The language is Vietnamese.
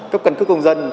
cấp căn cứ công dân